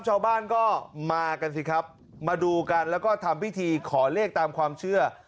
ชาวบ้านก็มากันสิครับมาดูกันแล้วก็ทำพิธีขอเลขตามความเชื่อ